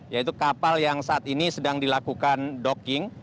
yaitu kapal yang saat ini sedang dilakukan docking